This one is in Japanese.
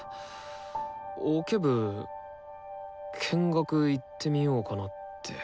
オケ部見学行ってみようかなって。